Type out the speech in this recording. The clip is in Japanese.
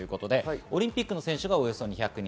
オリンピック選手がおよそ２００人。